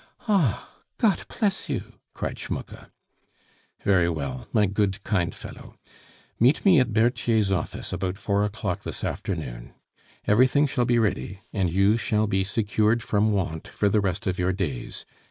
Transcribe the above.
"Ah! Gott pless you!" cried Schmucke. "Very well, my good, kind fellow, meet me at Berthier's office about four o'clock this afternoon. Everything shall be ready, and you shall be secured from want for the rest of your days.